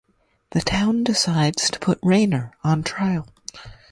The town decides to put Rayner on trial.